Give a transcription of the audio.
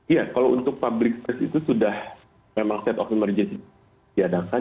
iya kalau untuk public space itu sudah memang set of emergency diadakan